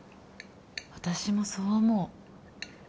私もそう思う